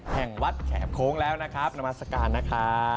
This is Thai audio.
แห่งวัดแขบโค้งแล้วนะครับนามัศกาลนะครับ